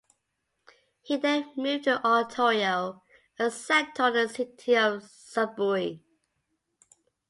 He then moved to Ontario, and settled in the city of Sudbury.